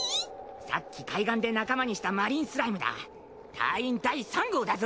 さっき海岸で仲間にしたマリンスライムだ隊員第３号だぞ。